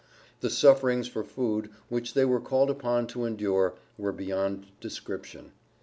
The sufferings for food, which they were called upon to endure, were beyond description.